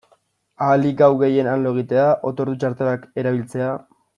Ahalik gau gehien han lo egitea, otordu-txartelak erabiltzea...